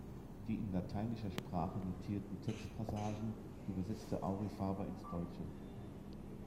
Die in lateinischer Sprache notierten Textpassagen übersetzte Aurifaber ins Deutsche.